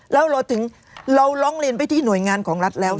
แล้วเราถึงเราร้องเรียนไปที่หน่วยงานของรัฐแล้ว